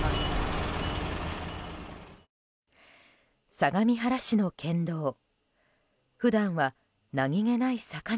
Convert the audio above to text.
相模原市の県道。